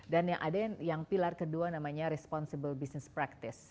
dan yang pilar kedua namanya responsible business practice